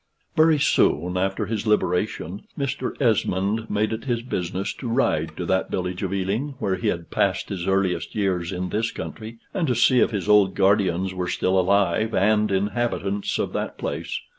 Very soon after his liberation, Mr. Esmond made it his business to ride to that village of Ealing where he had passed his earliest years in this country, and to see if his old guardians were still alive and inhabitants of that place.